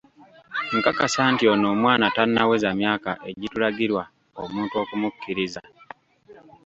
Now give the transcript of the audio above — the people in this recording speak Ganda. Nkakasa nti ono omwana tannaweza myaka egitulagirwa omuntu okumukkiriza.